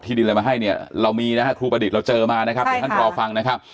อยู่กับไทยรัฐมิวโชว์นะครับ